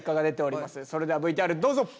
それではＶＴＲどうぞ！